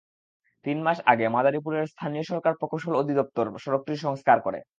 তিন মাস আগে মাদারীপুরের স্থানীয় সরকার প্রকৌশল অধিদপ্তর সড়কটির সংস্কার করে।